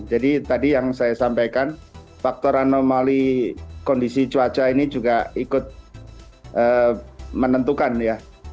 jadi tadi yang saya sampaikan faktor anomali kondisi cuaca ini juga ikut menentukan ya